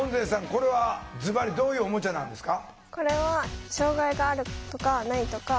これはズバリどういうおもちゃなんですか？